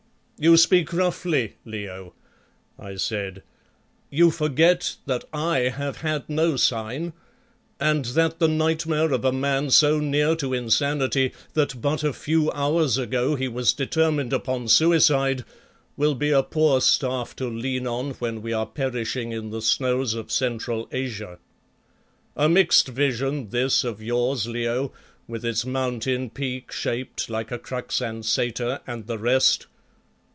"You speak roughly, Leo," I said. "You forget that I have had no sign, and that the nightmare of a man so near to insanity that but a few hours ago he was determined upon suicide, will be a poor staff to lean on when we are perishing in the snows of Central Asia. A mixed vision, this of yours, Leo, with its mountain peak shaped like a crux ansata and the rest.